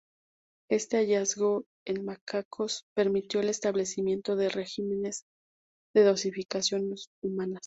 Este hallazgo en macacos permitió el establecimiento de regímenes de dosificación humanos.